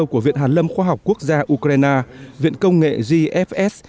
của viện hàn lâm khoa học quốc gia ukraine viện công nghệ gfs